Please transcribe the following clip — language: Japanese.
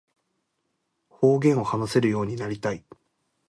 方言を話せるようになりたい